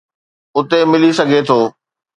اتي ملي سگهي ٿو.